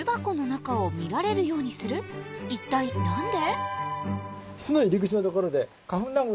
一体何で？